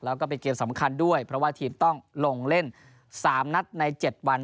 แล้วก็เป็นเกมสำคัญด้วยเพราะว่าทีมต้องลงเล่น๓นัดใน๗วัน